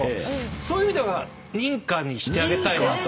そういう意味では認可にしてあげたいなと。